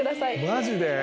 マジで？